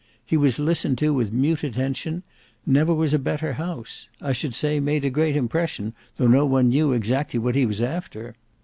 He was listened to with mute attention; never was a better house. I should say made a great impression, though no one knew exactly what he was after."